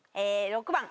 ６番。